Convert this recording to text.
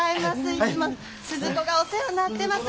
いつもスズ子がお世話になってます。